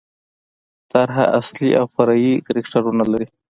طرحه اصلي او فرعي کرکټرونه لري.